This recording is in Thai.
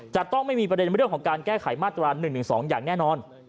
จะต้องไม่มีประเด็นเรื่องของการแก้ไขมาตรา๑๑๒อย่างแน่นอน